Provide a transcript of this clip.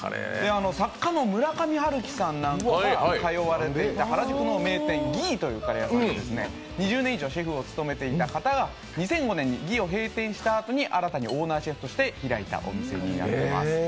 作家の村上春樹さんなんかが通われていた原宿の名店、ＧＨＥＥで２０年以上シェフを務めていた方がＧＨＥＥを閉店したあとに新たにオーナーシェフとして開いたお店です。